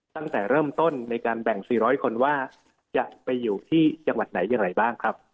ตั้งแต่เริ่มต้นในการแบ่ง๔๐๐คนว่าจะไปอยู่ที่จังหวัดไหนอย่างไรบ้างครับ